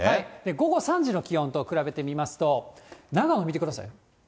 午後３時の気温と比べてみますと、長野見てください。